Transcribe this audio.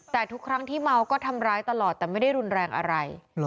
แต่ทุกครั้งที่เมาก็ทำร้ายตลอดแต่ไม่ได้รุนแรงอะไร